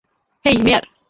হেই, মেয়ার!